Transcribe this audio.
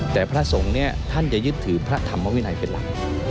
แต่พระสงฆ์เนี่ยท่านจะยึดถือพระธรรมวินัยเป็นหลัก